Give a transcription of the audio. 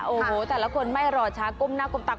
โอ้โหแต่ละคนไม่รอช้าก้มหน้าก้มตา